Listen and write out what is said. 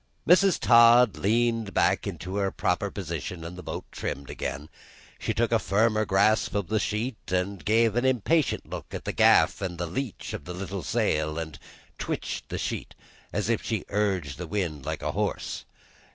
Mrs. Todd leaned back into her proper position, and the boat trimmed again. She took a firmer grasp of the sheet, and gave an impatient look up at the gaff and the leech of the little sail, and twitched the sheet as if she urged the wind like a horse.